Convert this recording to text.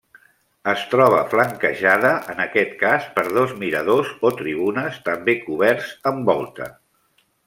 Es troba flanquejada en aquest cas per dos miradors o tribunes també coberts amb volta.